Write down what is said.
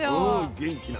元気な。